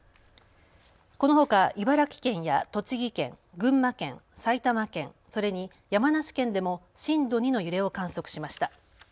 このほか茨城県や栃木県、群馬県、埼玉県、それに山梨県でも震度２の揺れを観測しました。